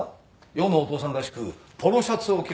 世のお父さんらしくポロシャツを着ろというのか？